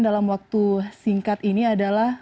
dalam waktu singkat ini adalah